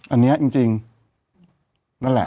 อันนี้จริงนั่นแหละ